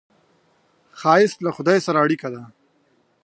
ښایست له خدای سره اړیکه ده